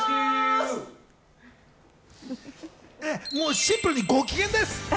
シンプルにご機嫌です。